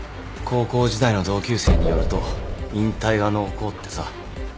高校時代の同級生によると引退が濃厚ってさ。